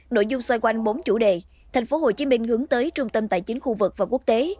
nội dung xoay quanh bốn chủ đề thành phố hồ chí minh hướng tới trung tâm tài chính khu vực và quốc tế